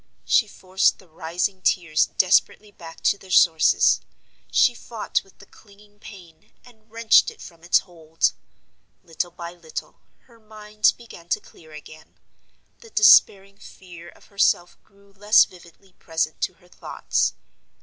She forced the rising tears desperately back to their sources; she fought with the clinging pain, and wrenched it from its hold. Little by little her mind began to clear again: the despairing fear of herself grew less vividly present to her thoughts.